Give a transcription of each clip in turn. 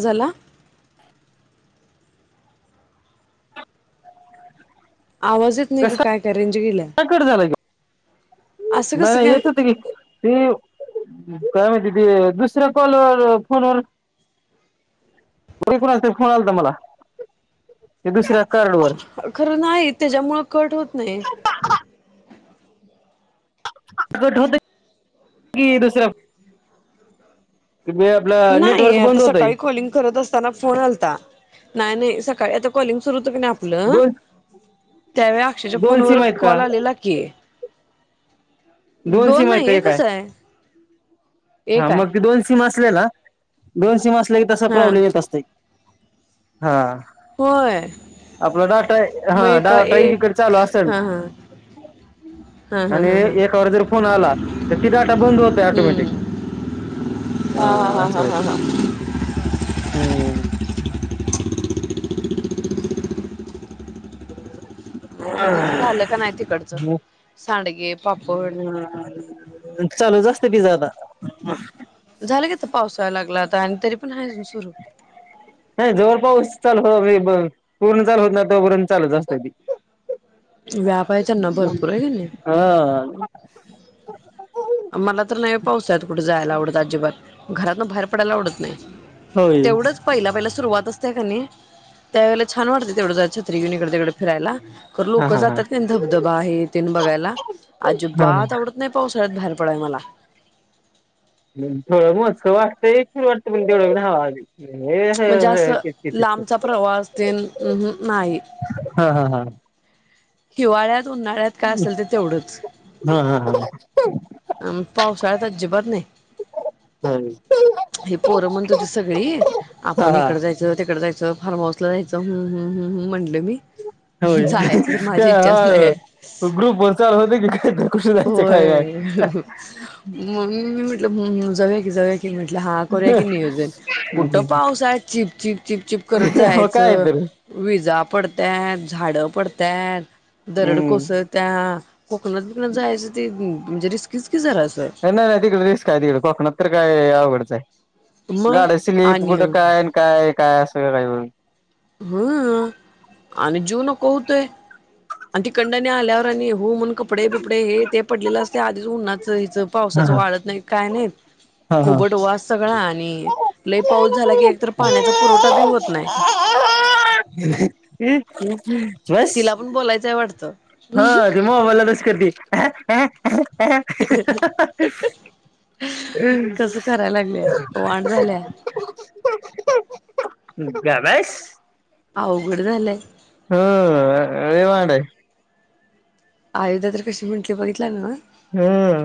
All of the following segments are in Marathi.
झाला आवाज येत नाही का कस काय काय रेंज गेल्या काय कट झाला की असं नाही कसं नाही काय येत त की त काय माहिती ते दुसऱ्या कॉलवर फोनवर को कोणा अस फोन आला तर मला ते दुसऱ्या कार्ड वर खरं नाही तेच्यामुळ कट होत नाही ठती दुसरा [inaudible] नाही नेटवर्क आता बंद होतय सकाळी कॉलिंग करत असताना फोन आलता नाही नाही सकाळी आता. कॉलिंग सुरू होत का नाही आपलं. दोन त्यावेळी अक्षाच्या दोन फोनवर सिम आहेत का कॉल आलेला की. दोन सीम आहेत नाही का एक एकच काय आहे हा एक आहे मग ते दोन सीम असलेला दोनशे मासले के तसा हा प्रॉब्लेम येत असतय हा. होय आपला डाटा मग हा एका डाटा एक एकीकडे चालू असेल. हम् हम् हम हम. फो आला तर ति डाटा बंद होत टोमॅटिक. हा हा हा हा हा हा, हम्म. ह दिदीचं झालं का नाही तिकडचं सांडगे पापड ह चालू जास्त ति जदा झालं गता पावसायला लागला आता आणि तरी पण आहे सुरू. नाही जोर पाऊस चालू होऊदेल पूर्ण चालू होत नाही तोपर्यंत चालूच असतय ते व्याप आहे त्यांना भरपूर आहे की नाही. हा मला तर नाही पाऊसाल्यात कुठे जायला आवडत अजिबात घरातन बाहेर पडायला आवडत नाही होय तेवढंच पहिला पहिला सुरवातच का नाही त्यावेळेला छान वाटतं तेवढं छत्री घेऊन इकडे तिकडे फिरायला खर हा लोक हा हा जातात कनी धबधबा हे तेन बघायला हा अजिबात आवडत नाही पावसाळ्यात बाहेर पडाय मला थोडं मोजक वाटतय पण तेवढं पण नाही बाबा म्हणजे असं ते लांबचा प्रवास तेन अहं नाही. [unintelligible] [inaudible] हा हा हा हिवाळ्यात उन्हाळ्यात काय असेल ते तेवढंच हा हा अम पावसाळयात अजिबात नाही हा हे पोरं म्हणत होती सगळी हा आपण हा इकडं जायचं तिक ड जायच फार्महाऊस ला जायच हमहम म्हटलं मी होय तर माझी काय इच्छाच नाही हा हाय ग्रुप वर चालू होते की तर कुठे जायचं काय हे हाय होय [unintelligible] मग मी म्हटल जाऊया की जाऊया कि कि म्हटलं हा करूया की नियोजन कुठं नाही पाऊस आहे चिप चिप चिप चिप करत हो काय जायचं तर विजा पडत्यात झाडं पडत पडत्यात दरड हम्म कोसळत्या कोकनात बिकनातन जायच म्हणजे ते रिस्की नाही नाही तिकडे रिस्क हाय तिकड कोकणात तर काय आवघडच हाय. मग गाड्या स्लीप आणि कुठं काय काय अन काय असं का हम आणि जिव नको होतोय आणि तीकडन आल्यावर आणि हु म्हणून कपडे बिपडे हे ते पडलेलं असतय आधीच उन्हाच हिचं हा पावसाचं वाळत नाही काय नाहीत हा हा हा कुबट वास सगळा आणि लय पाऊस झाला की एक तर पाण्याचा पुरवठा बी होत नाही. [unintelligible] तिला पण बोलायचंय वाटतं हां ती मोबाईला तस करती [unintelligible] हा हा कसं करायला लागल्या वांड झाल्या [unintelligible] [unintelligible] गब बस आवघड झालंय हं लय वांड हाय [unintelligible] आयोध्या तर कशी म्हटली बघितला नव हं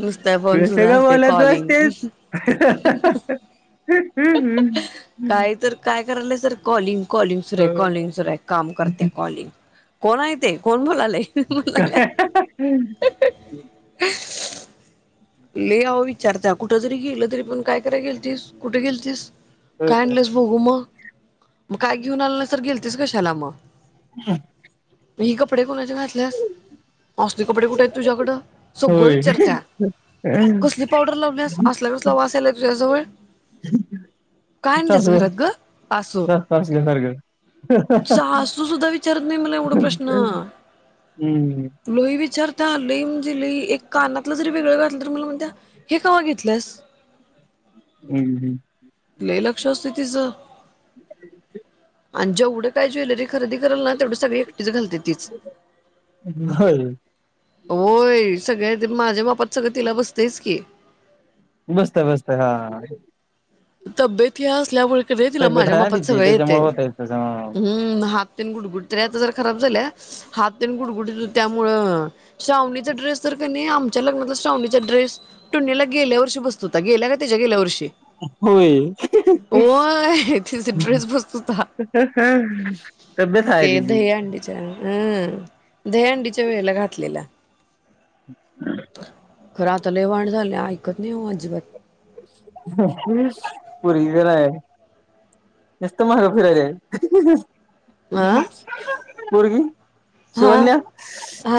नुसता फोन सुरू कशाला असते बोलत कॉलिंग बसतीस [unintelligible] काय तर काय करायलय [unintelligible] सर कॉलिंग कॉलिंग सुरु आहे. कॉलिंग सुरू हाय काम करत्या कॉलिंग कोण य ते कोण बोलाला नाही म्हणाल्या [unintelligible] लयी अहो विचारत्या कुठ जरी गेलं तरी पण काय कराय गेलतीस कुठे गेलतिस काय आणलंस बघू मग मग काय घेऊन आलं नाही तर गिलतीस कशाला म हम [unintelligible] मी ही कपडे कुणाचे घातल्यास असली कपडे कुठे आहेत तुझ्याकडं सगळं होय विचारत्या. कसली पावडर लावण्यास असला कसला वास यायलाय तूझ्या जवळ काय आणलेस सासू घरात ग आस सासल्यासारखं सासू सुद्धा विचारत नाही मला एवढा प्रश्न हम्म हम्म लई विचारता लई म्हणजे लई एक कानातलं जरी वेगळं घात नंतर मला म्हणत्या हे कवा घेतल्यास हम्म. लय लक्ष असंतय तिज [unintelligible] आणि जेवढं काय ज्वेलरी खरेदी करेल ना तेवढं सगळी एकटीच घालते तीच होय होय सगळ्या माझ्या बापात सगळं तिला बसतच की बसत बसत हा तब्येत असल्यामुळे कडेतील तब्येत माझ्या आहे ना माफत तिची सगळे येते त्याच्यामुळे होतय तसं. हम्म ह गुडगुडत आता जर खराब झाल्या हातन गुडगुड त्यामु शावणीचा ड्रेस तर आमच्या लग्नाचा श्रावणीचा ड्रेस टोला गेल्या वर्ी बसत होता गेल्या का त्याच्या गेल्यार्षी होय तिचा ड्रेस बसत होता तबी्येत आय तजी हम्म दहंडीच्या वेळेला घातलेल्या हम् खरं आता लवाण झाले ऐकत नाही अजिबात पुरी घय नसत मग फिरायला आहे अ मुर्गी हा शिवर््य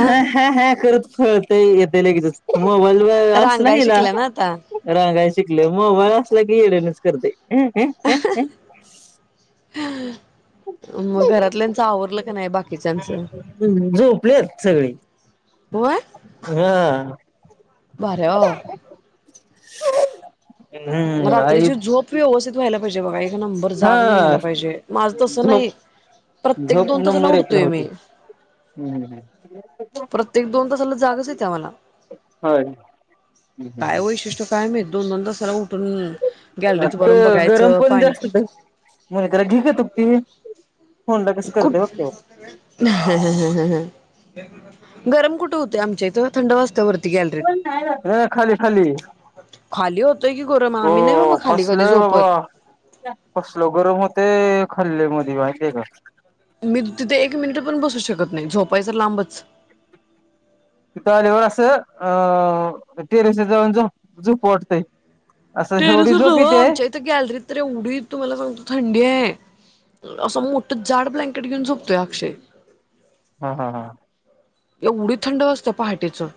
हा ह हा करत फळत येते लगेचच मोबाईल व असला रांगाय हिला शिकल्या ना आता रांगाय शिकले मोबाईल असला की एडनच करते हम्म हम् हम्म हम् [inaudible] मग घरातल्यांच आवरलं का नाही बाकीच्यांच झोपलेत सगळी हा भारी आहे ओ. [inaudible] हम्म आई रात्रीची झोप व्यवस्थित व्हायला पाहिजे बघा एक नंबर हा जाग नाहीला पाहिजे माझ तस झोप नाही प्रत्येक झोप दोन तसाला नंबर एकला उडतोय होती. मी प्रत्येक दोन तासाला जागच येते आम्हाला होय. काय वैशिष्ट्य कायम दोन नंदा सला उठ पण गॅलरीत भरून बघायचं पाणी प्यायचं मुनकर घीक तुपती खूठ ह ह गरम कुठे होते आमच्या इथं थंड वाज अ खाली खाली खाली होतय की गोरम आम्ही नाही बाबा खाली कधी झोपत कसल गरम होते खल्ले मध माहिती का मी तिथे एक मिनिट पण बसू शकत नाही झोपायचं लांबच तलीवर असं अं टेरिस जाऊन झूप वाटतेय टेरेसर आमच्या इथे गॅलरीत तर एवढी तुम्हाला सांगतो थंडी आहे असं मोठं जाड ब्लँकेट घेऊन झोपतोय अक्षय हम हा हा एवढी थंड वा असते पहाटेचं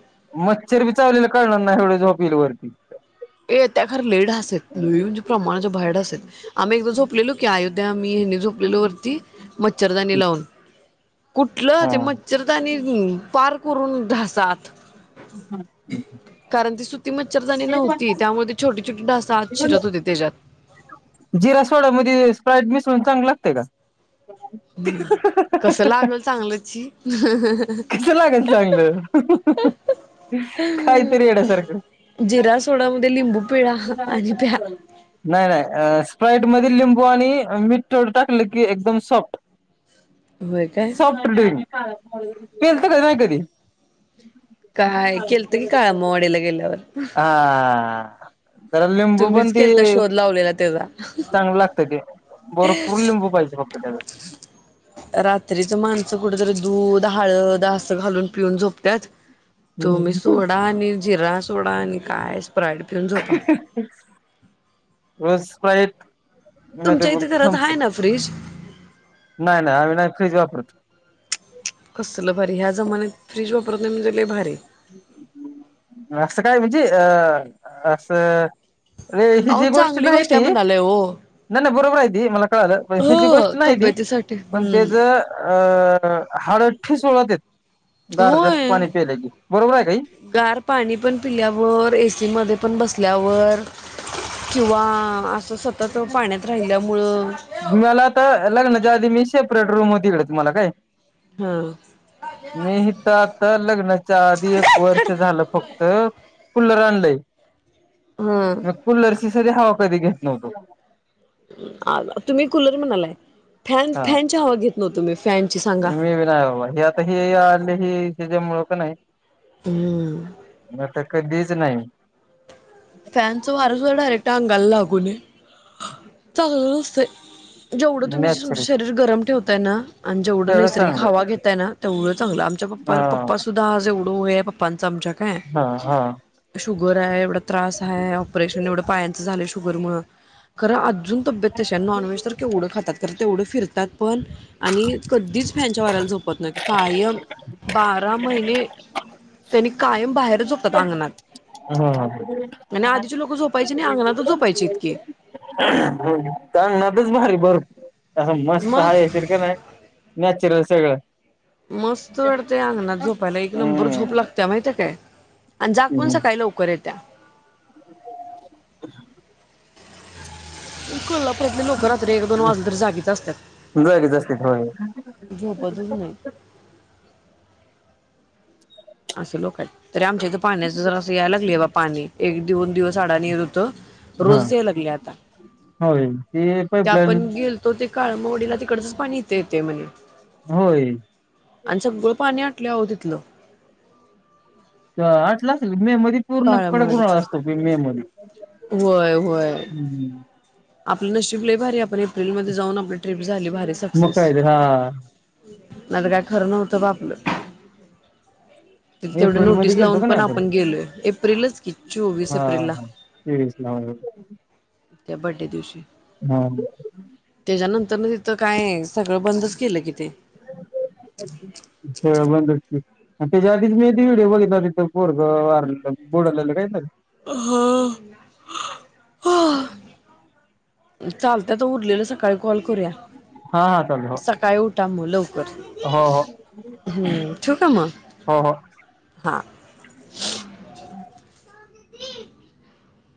मच्छर बी चावलेले कळणार ना एवढे झॉपिील वरती ए त्या खर लेढ असेल लोई प्रमाणाच्या बाहेर असेल आम्ही एकदा झोपलेलो की अयोध्या आम्ही हनी झोपलेलो वरती मच्छरदानी लावून कुठलं हा ते मच्छरदानी पार करून धासात हा ति मच्छदानी नाव छटी छोटी ढासा आज शिरत होते त्याच्यात जिरा सोडा मध्ये स्प्राईट मिसळून चांग लागते का हम्म कस लागेल चांगल्याची कस लागल चांगलं काहीतरी येड्यासारखं जिरा सोडा म लिंबू पिळा आणि प्या. नाही, नाही स्प्राईट म लिंबू आणि मीठ थोडं टाकलं की एकदम सॉफ्ट. होय काय? सॉफ्टड्रिंक पीलत काय नाय कधी? काय? केलत की काळम्मावाडीला गेल्यावर हा आ आ. जरा लिंबु पण तुम्हीच ते केलता शोध लावलेला त्याचा चांगलं लागतय ते. भरपूर लिंबू पाहिजे फक्त त्याला. रात्रीच माणसं कुठेतरी दूध, हळद आस घालून पिऊन झोपत्यात, तो मी त्याला सोडा आणि जिरा सोडा आणि का स्प्राइड पिऊन झोपा. रोज स्प्राईट नाहीतर, तुमच्या इथे मग घरात थम्स आहे अप. ना फ्रीज? नाय नाय आम्ही नाही फ्रीज वापरत. कसलं भारी ह्या जमान्यात फ्रीज वापरत नाही, मंजे लई भारी. असं काय म्हणजे अ असं. रे अहो हिजी गोष्ट चांगली नाही आहे ती म्हणालोय ओ. नाही नाही बरोबर आहे ते मला कळालं, हेजि हो गोष्ट नाही ती तब्येतीसाठी पण त्याज अ हम्म अ हाडं ठिसूळ होत्यात गार जास्त होय. पाणी पिल की बरोबर आहे काही गार पाणी पण पिल्यावर, ए सी मध्ये पण बसल्यावर किंवा असं सतत पाण्यात राहिल्या मुळं. मला आता लग्नाच्या आधी मी सेपरेट रूम होती, तिकडे मला काय? हा. मी तर आता लग्नाच्या आधी एक वर्ष झालं फक्त कुलर आणलाय हा मग कुलरची साधी हवा कधी घेत नव्हतो. तुम्ही कुलर म्हणालाय फॅन हा फॅनच्या हवा घेत नव्हतो मी. फॅनची सांगा मी बी नाय बाबा, हे आता ह आली ही तेच्या मुळ का नाही. हम. आता कधीच नाही. फॅनच वार सुद्धा डायरेक्ट अंगाला लागूू नये चांगलं नसतंय. जेवढं तुम्ही तुमचं नॅचरल शरीर गरम ठेवताय ना आणि जेवढं तेवढं नैसर्गिक हवा चांगलं घेताय ना तेवढं चांगलं, आमच्या पप्पा हा पप्पा सुद्धा आज एवढं वय हाय पप्पानच् आमच्या काय हा, हा. शुगर हाय एवढा त्रास हाय, ऑपरेशन एवढं पायाचं झालंय शुगरमुळ खरं अजून तब्येत तशी हाय, नॉन व्हेज तर केवढं खातात तर तेवढं फिरतात पण आणि कधीच फॅन च्या वाऱ्याला झोपत नाहीत, कायम बार बारा महिने, त्यांनी कायम बाहेर झोपतात अंगणात. हा, ह. आणि आधीचे लोक झोपायचे नाही अंगणातच झोपायचे इतकी [unintelligible] अंगणातच भारी भरपूर हा मस्त मग हाय येशील का नाय? नॅचरल सगळं. मस्त वाटतय अंगणात झोपायला, एक नंबर झोप लागते माहितीए काय? आणि जाग पण हम्म सकाळी लवकर येत्या. अच [inaudible] कोल्हापुरातले लोक रात्री एक दोन वाजले तरी जागीच असत्यात. जागीच असतात होय. झोपतचं नाही. असे लोक आहेत, तरी आमच्या इथे पाण्याच जरा अस यायला लागलय बा पाणी एक दोन दिवस अडान येत होत, हा रोजच याय लागलय आता होय ते पाईपलाईन आपण गेलतो ते काळमवाडीला तिकडचच पाणी इथ येतय म्हणे. होय आणि सगळं पाणी आटलंय आहो तिथलं व्हय आटला असेल, मे मध्ये पूर्ण कडक उन्हाळा असतोय मे मध्ये व्हय व्हय. आपलं नशीब लई भारी हाय आपण एप्रिलमध्ये जाऊन आपल्या ट्रीप झाली भारी मग सक्सेस् काय रे हा नाय तर काय खरं नव्हतं बा आपलं तिथं तेवढी एप्रिल मध्ये नोटीस गेलतो लावून का नाही पण आपण गेलोय, एप्रिलच की चोवीस एप्रिल ला लेडीज नाव येऊ राहिलं. त्या बड्डे दिवशी हा. त्याच्यानंतर तिथं काय, सगळं बंदच केलं कि ते सगळं बंदच की. त्याच्या आधीच मी ते व्हिडिओ बघितला, ते पोरगं वारलं बुडालेलं काहीतरी चालतंय आता उरलेलं सकाळी कॉल करूया. हा हा चालेल हो सकाळी उठा मग लवकर, हो हो हम्म ठेऊ का मग? हो हो. हा. [unintelligible]